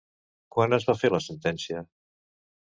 Quan es va fer la sentència?